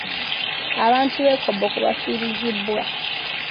Abantu b'e Koboko bafiirizibwa.